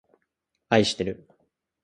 あいしてる